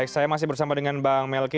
saya masih bersama dengan bang melki